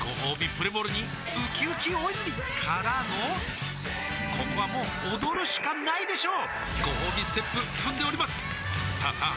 プレモルにうきうき大泉からのここはもう踊るしかないでしょうごほうびステップ踏んでおりますさあさあ